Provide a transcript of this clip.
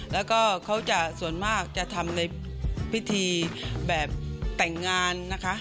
แล้วก็เขาจะส่วนมากจะทำในพิธีแบบแต่งงานนะคะ